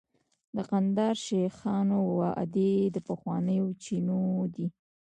د کندهار شیخانو وادي د پخوانیو چینو ده